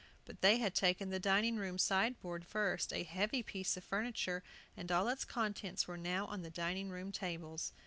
But they had taken the dining room sideboard first, a heavy piece of furniture, and all its contents were now on the dining room tables.